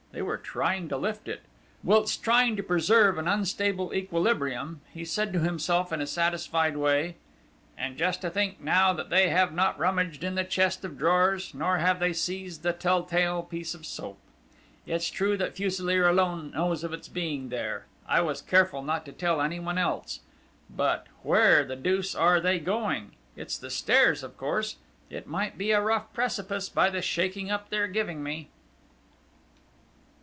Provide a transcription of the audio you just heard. They were trying to lift it. Whilst trying to preserve an unstable equilibrium, he said to himself in a satisfied way: "And just to think now that they have not rummaged in the chest of drawers, nor have they seized the tell tale piece of soap!... It's true that Fuselier alone knows of its being there I was careful not to tell anyone else.... But, where the deuce are they going? It's the stairs, of course! It might be a rough precipice by the shaking up they're giving me!"